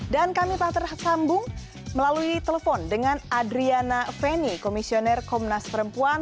kami telah tersambung melalui telepon dengan adriana feni komisioner komnas perempuan